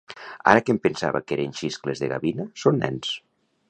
Ara que em pensava que eren xiscles de gavina, són nens